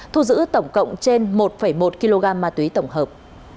thu giữ tổng cộng trên một một kg ma túy tổng hợp